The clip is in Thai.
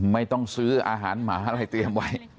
ไม่ต้องซื้ออาหารหมาอะไรเตรียมไว้